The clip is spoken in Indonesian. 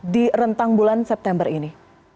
di rentang bulan september ini